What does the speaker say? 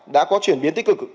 đã có chuyển biến tích cực